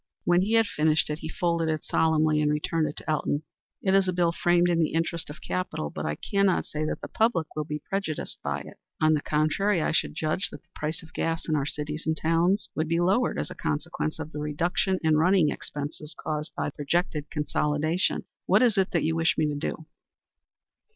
When he had finished it he folded it solemnly and returned it to Elton. "It is a bill framed in the interest of capital, but I cannot say that the public will be prejudiced by it. On the contrary, I should judge that the price of gas in our cities and towns would be lowered as a consequence of the reduction in running expenses caused by the projected consolidation. What is it that you wish me to do?"